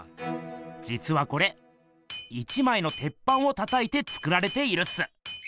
じつはこれ１まいのてっぱんをたたいて作られているっす。